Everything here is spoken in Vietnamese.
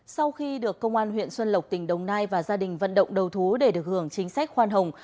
sau khi được công an huyện xuân lộc tỉnh đồng nai và gia đình vận động đầu thú để được hưởng chính sách khoan hồng